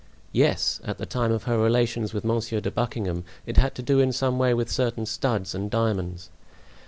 "Yes, at the time of her relations with Monsieur de Buckingham; it had to do in some way with certain studs and diamonds."